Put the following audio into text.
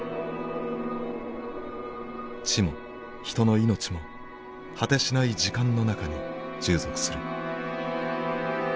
知も人の命も果てしない時間の中に従属する。